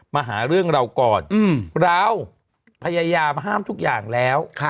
มาหาเรื่องเราก่อนเราพยายามห้ามทุกอย่างแล้ว